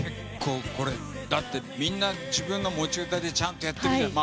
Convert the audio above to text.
だってみんな自分の持ち歌でちゃんとやってるじゃない。